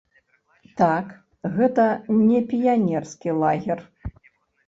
Так, гэта не піянерскі лагер.